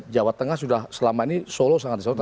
jawa tengah sudah selama ini solo sangat sangat